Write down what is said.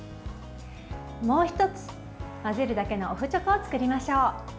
もう１つ、混ぜるだけのお麩チョコを作りましょう。